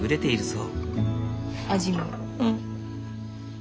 うん。